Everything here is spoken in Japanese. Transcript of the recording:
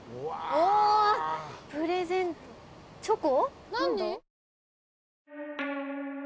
おプレゼントチョコ？